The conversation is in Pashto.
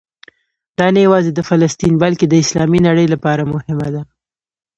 دا نه یوازې د فلسطین بلکې د اسلامي نړۍ لپاره مهمه ده.